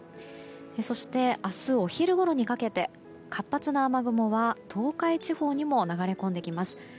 そして、明日お昼ごろにかけて活発な雨雲は東海地方にも流れ込んできます。